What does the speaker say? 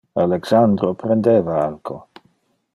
Alexandro prendeva alco.